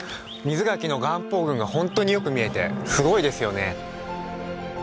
瑞牆の岩峰群が本当によく見えてすごいですよね。